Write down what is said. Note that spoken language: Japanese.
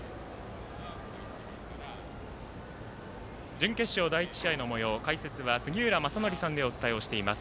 準決勝第１試合のもよう解説は杉浦正則さんでお伝えしています。